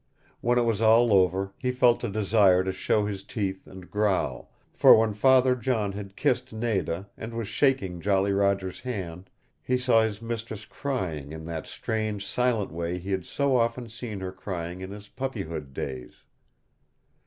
When it was all over he felt a desire to show his teeth and growl, for when Father John had kissed Nada, and was shaking Jolly Roger's hand, he saw his mistress crying in that strange, silent way he had so often seen her crying in his puppyhood days.